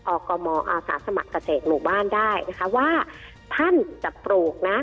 กมอาสาสมัครเกษตรหมู่บ้านได้นะคะว่าท่านจะปลูกนะ